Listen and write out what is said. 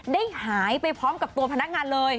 ได้หายไปพร้อมกับตัวพนักงานเลย